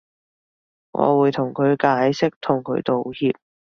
我會同佢解釋同佢道歉